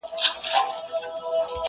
څوك به ليكي قصيدې د كونړونو!.